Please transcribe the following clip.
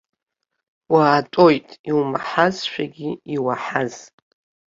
Уаатәоит иумаҳазшәагь иуаҳаз.